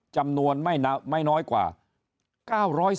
จำนวนไม่น้อยกว่า๙๐๐สายครับ